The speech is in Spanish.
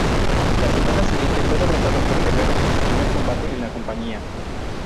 La semana siguiente, fue derrotado por Guerrero en su primer combate en la compañía.